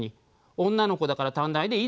女の子だから短大でいいでしょ。